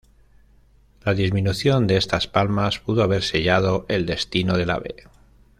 La disminución de estas palmas pudo haber sellado el destino del ave.